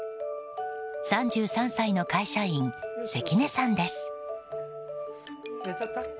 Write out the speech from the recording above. ３３歳の会社員・関根さんです。